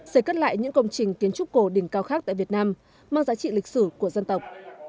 xây cất lại những công trình kiến trúc cổ đỉnh cao khác tại việt nam mang giá trị lịch sử của dân tộc